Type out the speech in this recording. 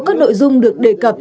các nội dung được đề cập